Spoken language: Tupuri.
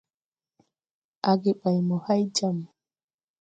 Age ɓay mo hay jam.